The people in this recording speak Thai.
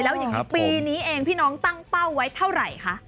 แล้วอย่างนี้ปีนี้เองพี่น้องตั้งเป้าไว้เท่าไหร่คะ